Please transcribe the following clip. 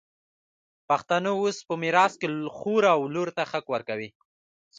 پښتانه اوس په میراث کي خور او لور ته حق ورکوي.